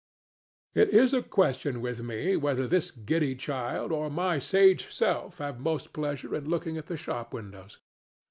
It is a question with me whether this giddy child or my sage self have most pleasure in looking at the shop windows.